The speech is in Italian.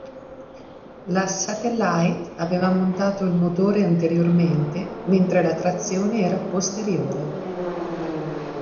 La Satellite aveva montato il motore anteriormente, mentre la trazione era posteriore.